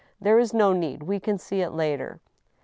" There is no need. We can see it later."